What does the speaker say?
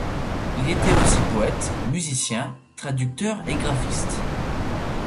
Il était aussi poète, musicien, traducteur et graphiste.